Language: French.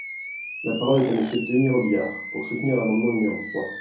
La parole est à Monsieur Denys Robiliard, pour soutenir l’amendement numéro trois.